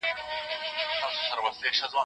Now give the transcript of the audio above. موږ باید د ډیموکراسۍ لسیزې ته درناوی وکړو.